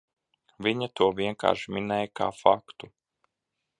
Viņa to vienkārši minēja kā faktu.